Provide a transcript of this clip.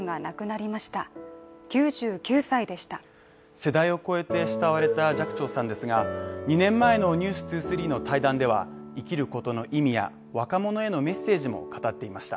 世代を超えて慕われた寂聴さんですが、２年前の「ｎｅｗｓ２３」の対談では生きることの意味や若者へのメッセージも語っていました。